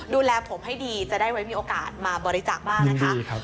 ดูแลผมให้ดีจะได้ไว้มีโอกาสมาบริจาคบ้างนะคะ